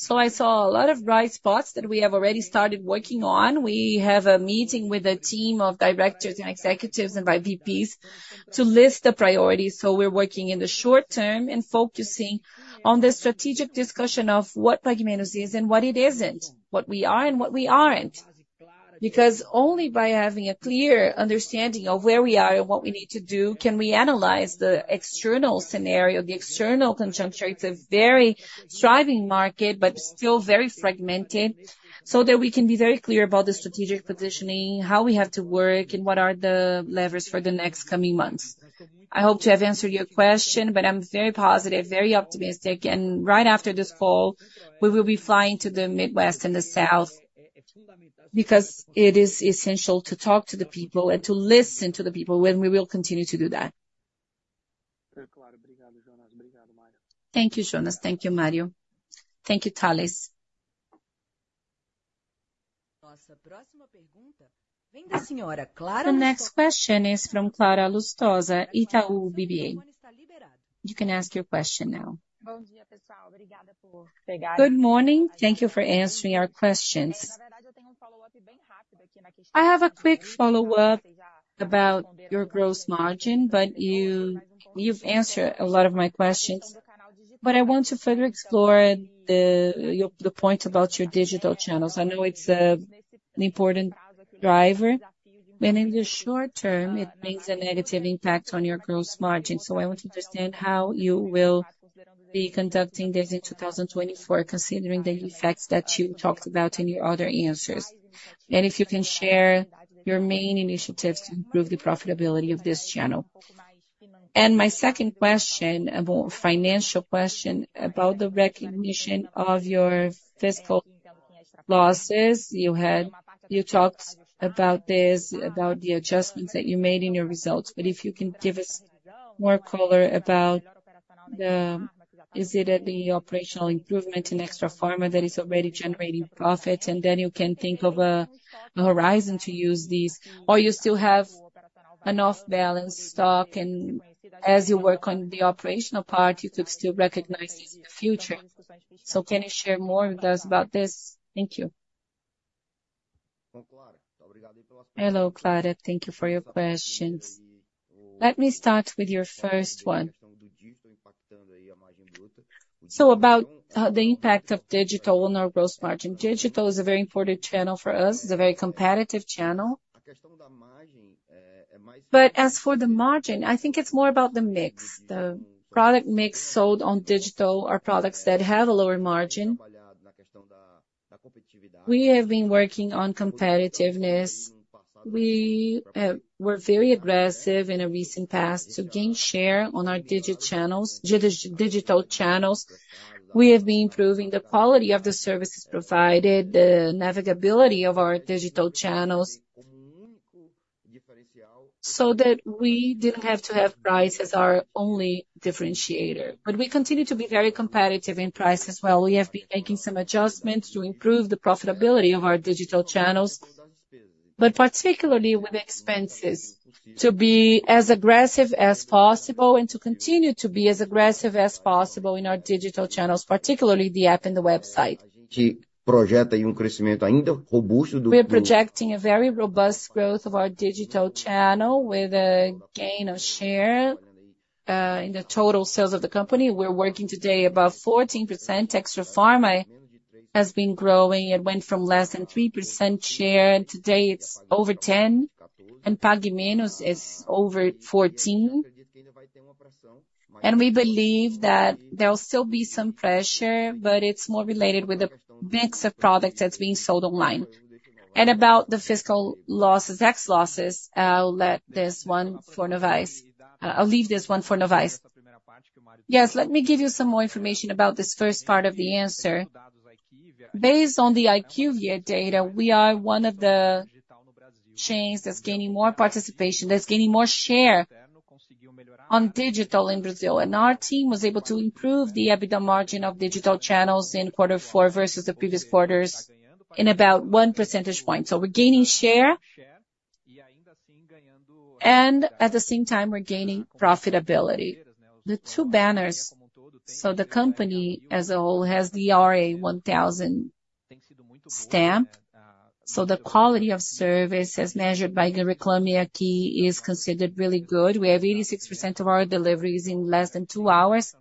So I saw a lot of bright spots that we have already started working on. We have a meeting with a team of directors and executives and VPs to list the priorities. So we're working in the short term and focusing on the strategic discussion of what Pague Menos is and what it isn't, what we are and what we aren't. Because only by having a clear understanding of where we are and what we need to do can we analyze the external scenario, the external conjuncture. It's a very thriving market, but still very fragmented, so that we can be very clear about the strategic positioning, how we have to work, and what are the levers for the next coming months. I hope to have answered your question, but I'm very positive, very optimistic. Right after this call, we will be flying to the Midwest and the South because it is essential to talk to the people and to listen to the people, and we will continue to do that. Thank you, Jonas. Thank you, Mário. Thank you, Tales. The next question is from Clara Lustosa, Itaú BBA. You can ask your question now. Good morning. Thank you for answering our questions. I have a quick follow-up about your gross margin, but you've answered a lot of my questions. I want to further explore the point about your digital channels. I know it's an important driver. And in the short term, it brings a negative impact on your gross margin. So I want to understand how you will be conducting this in 2024, considering the effects that you talked about in your other answers. If you can share your main initiatives to improve the profitability of this channel. My second question, a financial question, about the recognition of your fiscal losses. You talked about this, about the adjustments that you made in your results. But if you can give us more color about, is it the operational improvement in Extra Pharma that is already generating profit, and then you can think of a horizon to use these, or you still have an off-balance stock, and as you work on the operational part, you could still recognize this in the future. So can you share more with us about this? Thank you. Hello, Clara. Thank you for your questions. Let me start with your first one. So about the impact of digital on our gross margin. Digital is a very important channel for us. It's a very competitive channel. But as for the margin, I think it's more about the mix, the product mix sold on digital or products that have a lower margin. We have been working on competitiveness. We were very aggressive in the recent past to gain share on our digital channels. We have been improving the quality of the services provided, the navigability of our digital channels, so that we didn't have to have price as our only differentiator. But we continue to be very competitive in price as well. We have been making some adjustments to improve the profitability of our digital channels, but particularly with expenses, to be as aggressive as possible and to continue to be as aggressive as possible in our digital channels, particularly the app and the website. We're projecting a very robust growth of our digital channel with a gain of share in the total sales of the company. We're working today about 14%. Extra Pharma has been growing. It went from less than 3% share. Today, it's over 10%, and Pague Menos is over 14%. We believe that there will still be some pressure, but it's more related with the mix of products that's being sold online. About the fiscal losses, tax losses, I'll leave this one for Novais. Yes, let me give you some more information about this first part of the answer. Based on the IQVIA data, we are one of the chains that's gaining more participation, that's gaining more share on digital in Brazil. Our team was able to improve the EBITDA margin of digital channels in quarter four versus the previous quarters in about one percentage point. So we're gaining share, and at the same time, we're gaining profitability. The two banners. So the company as a whole has the RA 1000 stamp. So the quality of service as measured by the Reclame AQUI is considered really good. We have 86% of our deliveries in less than two hours.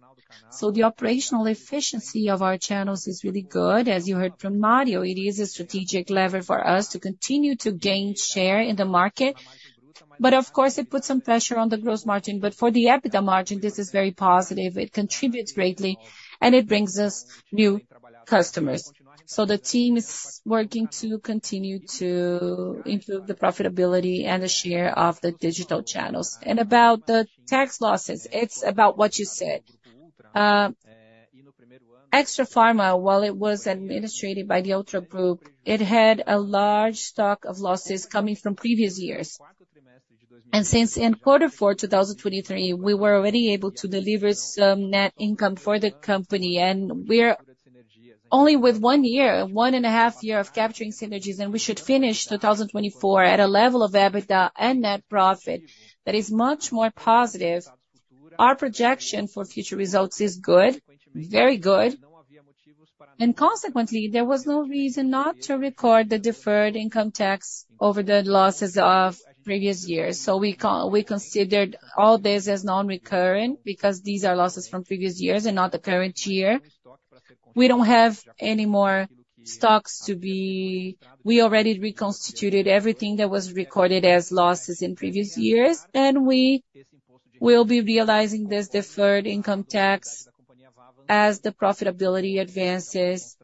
So the operational efficiency of our channels is really good. As you heard from Mário, it is a strategic lever for us to continue to gain share in the market. But of course, it puts some pressure on the gross margin. But for the EBITDA margin, this is very positive. It contributes greatly, and it brings us new customers. So the team is working to continue to improve the profitability and the share of the digital channels. And about the tax losses, it's about what you said. Extrafarma, while it was administrated by the Ultra Group, it had a large stock of losses coming from previous years. Since in quarter four 2023, we were already able to deliver some net income for the company. We're only with one year, 1.5 years of capturing synergies, and we should finish 2024 at a level of EBITDA and net profit that is much more positive. Our projection for future results is good, very good. Consequently, there was no reason not to record the deferred income tax over the losses of previous years. So we considered all this as non-recurrent because these are losses from previous years and not the current year. We don't have any more stocks; we already reconstituted everything that was recorded as losses in previous years. We will be realizing this deferred income tax as the profitability advances.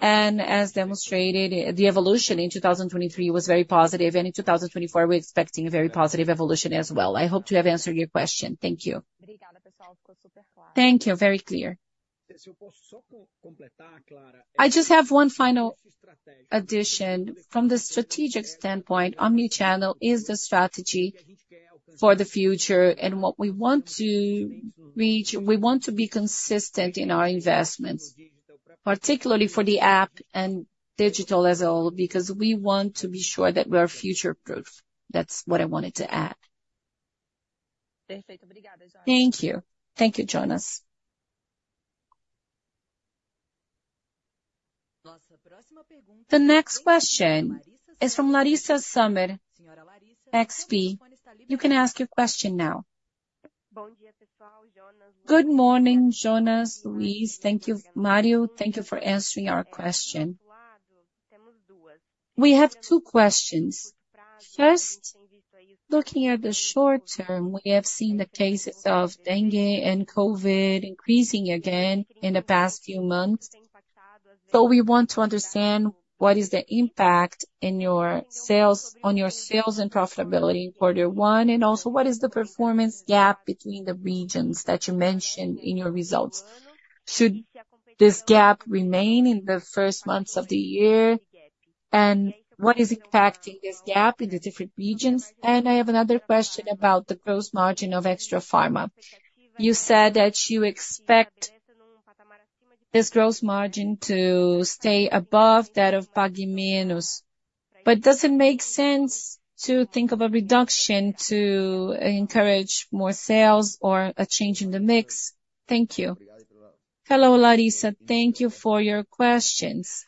As demonstrated, the evolution in 2023 was very positive, and in 2024, we're expecting a very positive evolution as well. I hope to have answered your question. Thank you. Thank you. Very clear. I just have one final addition. From the strategic standpoint, omnichannel is the strategy for the future, and what we want to reach, we want to be consistent in our investments, particularly for the app and digital as a whole, because we want to be sure that we are future-proof. That's what I wanted to add. Thank you. Thank you, Jonas. The next question is from Laryssa Sumer, XP. You can ask your question now. Good morning, Jonas, Luiz. Thank you. Mário, thank you for answering our question. We have two questions. First, looking at the short term, we have seen the cases of dengue and COVID increasing again in the past few months. So we want to understand what is the impact on your sales and profitability in quarter one, and also what is the performance gap between the regions that you mentioned in your results. Should this gap remain in the first months of the year? And what is impacting this gap in the different regions? And I have another question about the gross margin of Extra Pharma. You said that you expect this gross margin to stay above that of Pague Menos. But does it make sense to think of a reduction to encourage more sales or a change in the mix? Thank you. Hello, Laryssa. Thank you for your questions.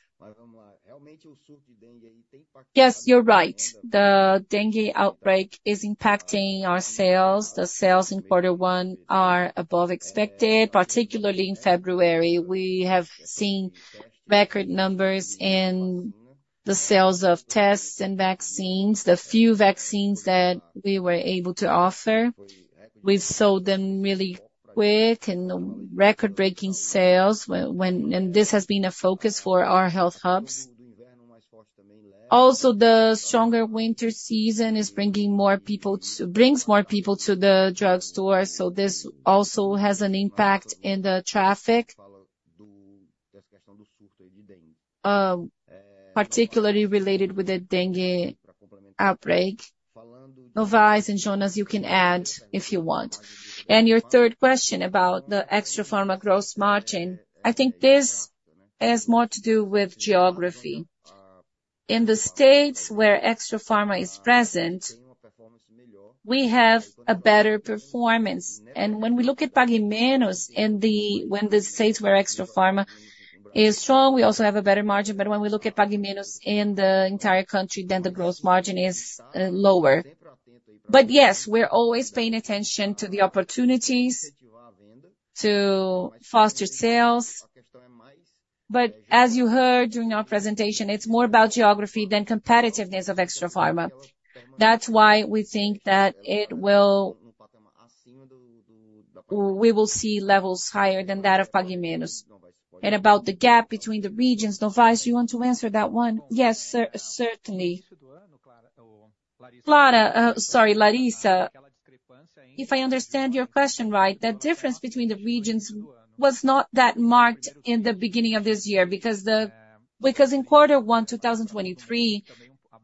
Yes, you're right. The dengue outbreak is impacting our sales. The sales in quarter one are above expected, particularly in February. We have seen record numbers in the sales of tests and vaccines, the few vaccines that we were able to offer. We've sold them really quick and record-breaking sales, and this has been a focus for our health hubs. Also, the stronger winter season is bringing more people to the drugstore. So this also has an impact in the traffic, particularly related with the dengue outbreak. Novais and Jonas, you can add if you want. And your third question about the Extra Pharma gross margin, I think this has more to do with geography. In the states where Extra Pharma is present, we have a better performance. And when we look at Pague Menos in the states where Extra Pharma is strong, we also have a better margin. But when we look at Pague Menos in the entire country, then the gross margin is lower. But yes, we're always paying attention to the opportunities to foster sales. But as you heard during our presentation, it's more about geography than competitiveness of Extra Pharma. That's why we think that we will see levels higher than that of Pague Menos. And about the gap between the regions, Novais, do you want to answer that one? Yes, certainly. Clara, sorry, Laryssa, if I understand your question right, the difference between the regions was not that marked in the beginning of this year because in quarter one, 2023,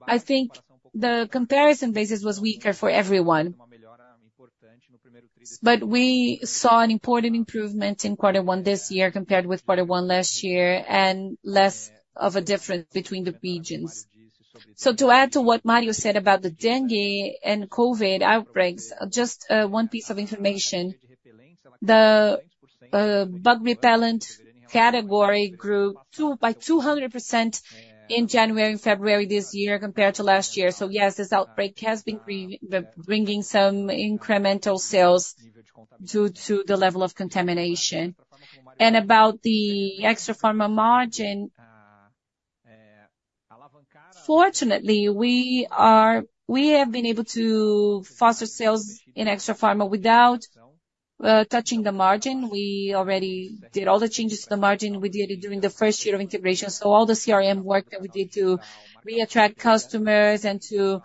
I think the comparison basis was weaker for everyone. But we saw an important improvement in quarter one this year compared with quarter one last year and less of a difference between the regions. So to add to what Mário said about the dengue and COVID outbreaks, just one piece of information. The bug repellent category grew by 200% in January and February this year compared to last year. So yes, this outbreak has been bringing some incremental sales due to the level of contamination. And about the Extra Pharma margin, fortunately, we have been able to foster sales in Extra Pharma without touching the margin. We already did all the changes to the margin we did during the first year of integration. So all the CRM work that we did to reattract customers and to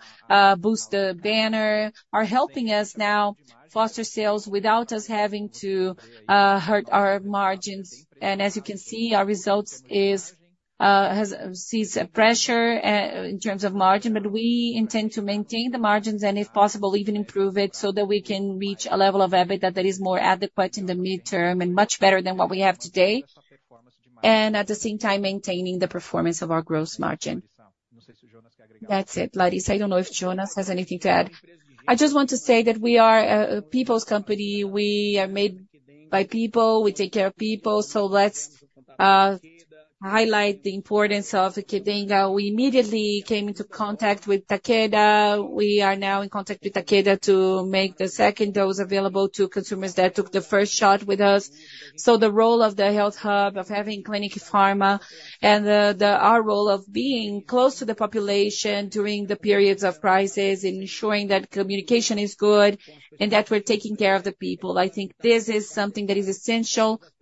boost the banner are helping us now foster sales without us having to hurt our margins. And as you can see, our results see pressure in terms of margin, but we intend to maintain the margins and, if possible, even improve it so that we can reach a level of EBITDA that is more adequate in the midterm and much better than what we have today, and at the same time, maintaining the performance of our gross margin. That's it, Laryssa. I don't know if Jonas has anything to add. I just want to say that we are a people's company. We are made by people. We take care of people. So let's highlight the importance of Qdenga. We immediately came into contact with Takeda. We are now in contact with Takeda to make the second dose available to consumers that took the first shot with us. So the role of the health hub, of having Clinic Farma, and our role of being close to the population during the periods of crisis, ensuring that communication is good and that we're taking care of the people, I think this is something that is essential for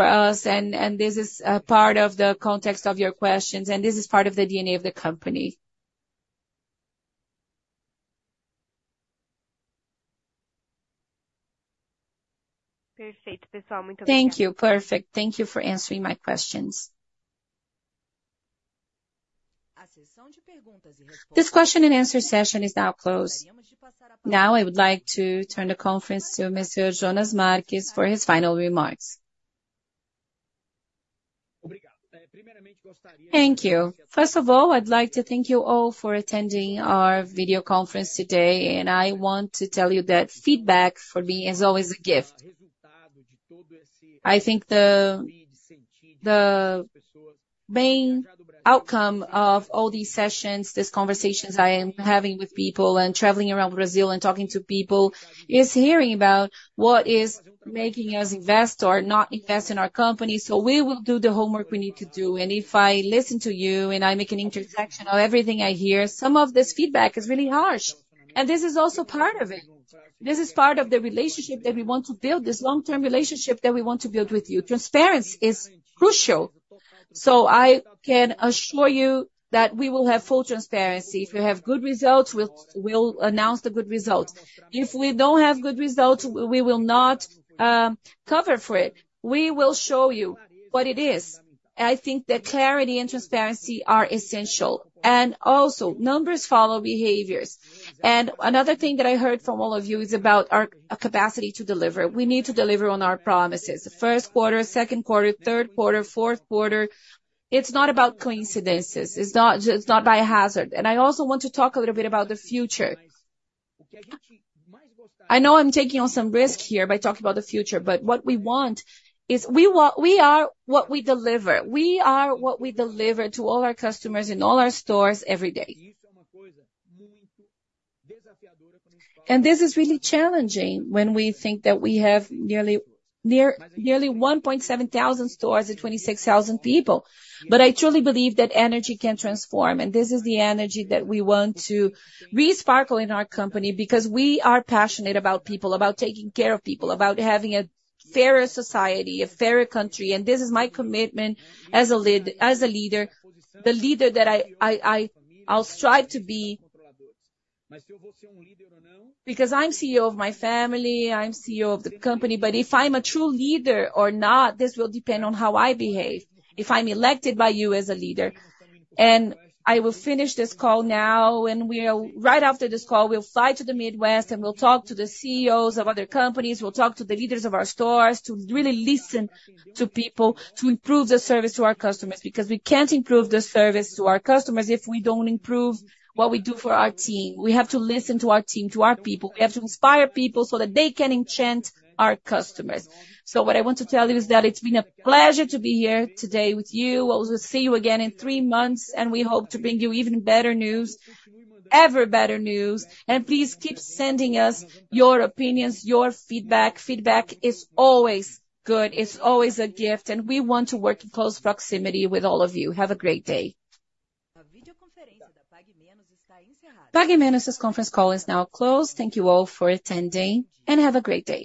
us. This is part of the context of your questions, and this is part of the DNA of the company. Thank you. Perfect. Thank you for answering my questions. This question and answer session is now closed. Now, I would like to turn the conference to Mr. Jonas Marques for his final remarks. Thank you. First of all, I'd like to thank you all for attending our video conference today. I want to tell you that feedback for me is always a gift. I think the main outcome of all these sessions, these conversations I am having with people and traveling around Brazil and talking to people is hearing about what is making us invest or not invest in our company. So we will do the homework we need to do. And if I listen to you and I make an intersection of everything I hear, some of this feedback is really harsh. And this is also part of it. This is part of the relationship that we want to build, this long-term relationship that we want to build with you. Transparency is crucial. So I can assure you that we will have full transparency. If we have good results, we'll announce the good results. If we don't have good results, we will not cover for it. We will show you what it is. I think that clarity and transparency are essential. Also, numbers follow behaviors. Another thing that I heard from all of you is about our capacity to deliver. We need to deliver on our promises. First quarter, second quarter, third quarter, fourth quarter. It's not about coincidences. It's not by hazard. I also want to talk a little bit about the future. I know I'm taking on some risk here by talking about the future, but what we want is we are what we deliver. We are what we deliver to all our customers in all our stores every day. And this is really challenging when we think that we have nearly 1,700 stores and 26,000 people. But I truly believe that energy can transform. This is the energy that we want to resparkle in our company because we are passionate about people, about taking care of people, about having a fairer society, a fairer country. This is my commitment as a leader, the leader that I'll strive to be. Because I'm CEO of my family. I'm CEO of the company. But if I'm a true leader or not, this will depend on how I behave. If I'm elected by you as a leader. I will finish this call now. Right after this call, we'll fly to the Midwest and we'll talk to the CEOs of other companies. We'll talk to the leaders of our stores to really listen to people, to improve the service to our customers. Because we can't improve the service to our customers if we don't improve what we do for our team. We have to listen to our team, to our people. We have to inspire people so that they can enchant our customers. So what I want to tell you is that it's been a pleasure to be here today with you. I will see you again in three months, and we hope to bring you even better news, ever better news. Please keep sending us your opinions, your feedback. Feedback is always good. It's always a gift. We want to work in close proximity with all of you. Have a great day. Pague Menos' conference call is now closed. Thank you all for attending, and have a great day.